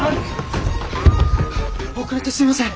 遅れてすいません。